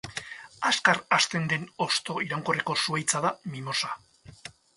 Azkar hazten den hosto iraunkorreko zuhaitza da mimosa.